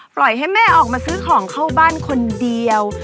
ปล่อยให้แม่ออกมาซื้อของเข้าบ้านคนเดียว